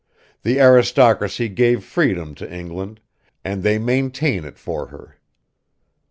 The aristocracy gave freedom to England, and they maintain it for her."